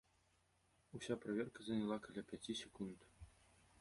Уся праверка занялі каля пяці секунд.